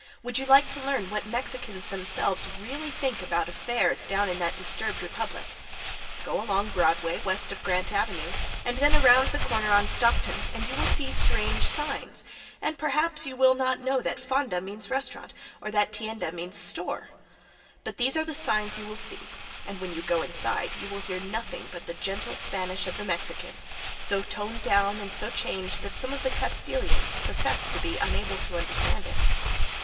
Would you like to learn what the Mexicans themselves really think about affairs down in that disturbed republic? Go along Broadway west of Grant avenue, and then around the corner on Stockton, and you will see strange signs, and perhaps you will not know that "Fonda" means restaurant, or that "Tienda," means a store. But these are the signs you will see, and when you go inside you will hear nothing but the gentle Spanish of the Mexican, so toned down and so changed that some of the Castilians profess to be unable to understand it.